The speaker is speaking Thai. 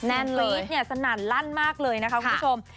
แน่นเลยสนั่นลั่นมากเลยนะคะคุณผู้ชม